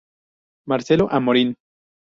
Marcelo Amorín